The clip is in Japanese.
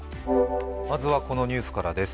まずはこのニュースからです。